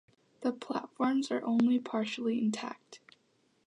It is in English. The platforms are only partially intact.